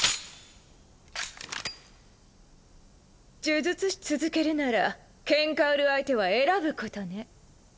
呪術師続けるならケンカ売る相手は選ぶことね。